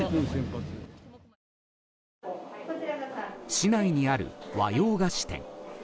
市内にある和洋菓子店。